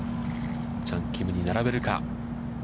チャン・キムに並べるか。